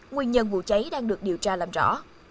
nguyên nhân vụ cháy đang được điều tra làm rõ